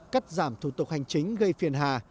cắt giảm thủ tục hành chính gây phiền hà